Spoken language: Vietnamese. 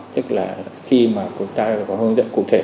tức là khi mà chúng ta phải có hướng dẫn cụ thể